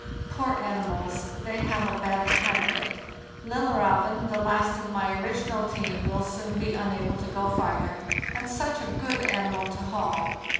Poor animals, they have a bad time of _ it! 'Lillerzeven, the last of my original team, will soon be unable to go farther—and such a good animal to haul!